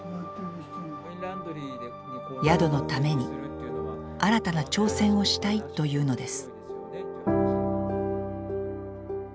宿のために新たな挑戦をしたいというのです。